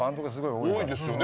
多いですよね。